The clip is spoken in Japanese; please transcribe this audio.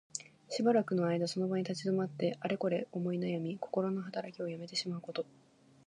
しばらくの間その場に立ち止まって、あれこれ思いなやみ、こころのはたらきをやめてしまうこと。